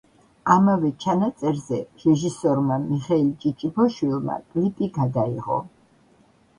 ამავე ჩანაწერზე რეჟისორმა მიხეილ ჭიჭიბოშვილმა კლიპი გადაიღო.